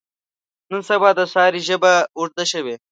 نن سبا د سارې ژبه اوږده شوې.